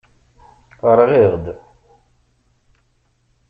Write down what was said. Rɣiɣ-d.